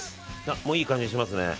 もういい感じしますね。